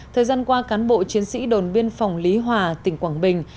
thời gian qua cán bộ chiến sĩ đồn biên phòng lý hòa tỉnh quảng bình